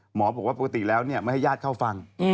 หมอบอกว่าปกติแล้วไม่ให้ญาติเข้าฟัง